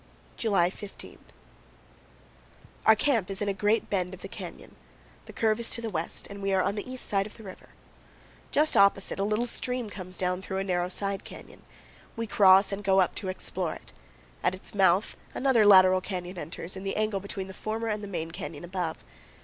July 15. Our camp is in a great bend of the canyon. The curve is to the west and we are on the east side of the river. Just opposite, a little stream comes down through a narrow side canyon. We cross and go up to explore it. At its mouth another lateral canyon enters, in the angle between the former and the main canyon above.